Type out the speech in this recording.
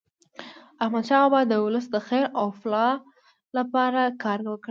احمدشاه بابا د ولس د خیر او فلاح لپاره کار وکړ.